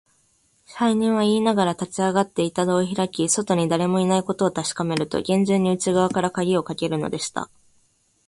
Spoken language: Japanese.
支配人はいいながら、立ちあがって、板戸をひらき、外にだれもいないことをたしかめると、げんじゅうに内がわからかぎをかけるのでした。